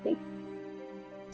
tidak melakukan apa apa